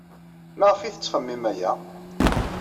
Maɣef ay tettxemmim aya?